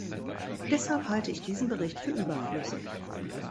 Deshalb halte ich diesen Bericht für überflüssig.